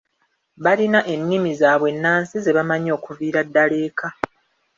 Balina ennimi zaabwe ennansi ze bamanyi okuviira ddala eka.